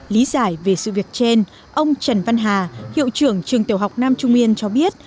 lý giải về sự việc trên ông trần văn hà hiệu trưởng trường tiểu học nam trung yên cho biết